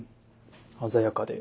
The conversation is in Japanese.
鮮やかで。